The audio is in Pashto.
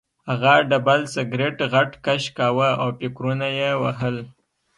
هغه ډبل سګرټ غټ کش کاوه او فکرونه یې وهل